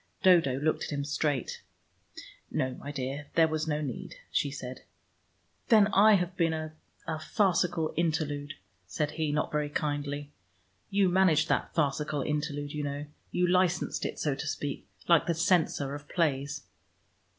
Dodo looked at him straight. "No, my dear, there was no need," she said. "Then I have been a a farcical interlude," said he, not very kindly. "You managed that farcical interlude, you know. You licensed it, so to speak, like the censor of plays."